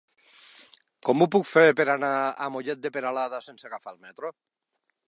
Com ho puc fer per anar a Mollet de Peralada sense agafar el metro?